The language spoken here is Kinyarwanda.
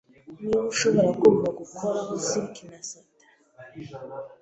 Niba ushobora kumva gukoraho silik na satin